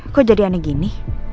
kok jadiannya gini